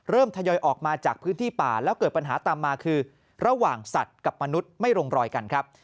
ทยอยออกมาจากพื้นที่ป่าแล้วเกิดปัญหาตามมาคือระหว่างสัตว์กับมนุษย์ไม่ลงรอยกันครับ